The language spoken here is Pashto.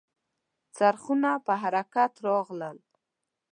څرخونه په حرکت راغلل .